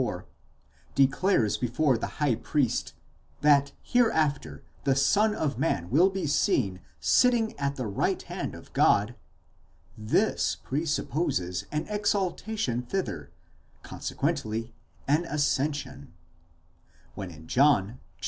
64), declares before the high priest, that hereafter the Son of Man will be seen sitting at the right hand of God: this presupposes an exaltation thither, con sequently an ascension; when in John (iii.